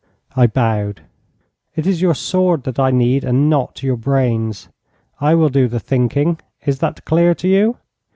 I bowed. 'It is your sword that I need, and not your brains. I will do the thinking. Is that clear to you?'